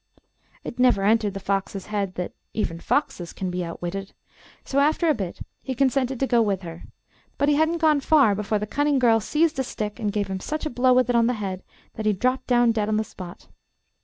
It never entered the fox's head that even foxes can be outwitted, so after a bit he consented to go with her; but he hadn't gone far before the cunning girl seized a stick, and gave him such a blow with it on the head, that he dropped down dead on the spot.